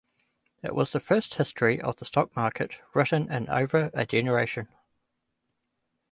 It was the first history of the stock market written in over a generation.